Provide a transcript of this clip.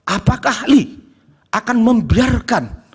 apakah ahli akan membiarkan